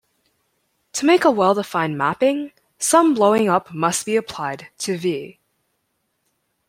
To make a well-defined mapping, some blowing up must be applied to "V".